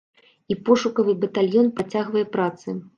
І пошукавы батальён працягвае працы.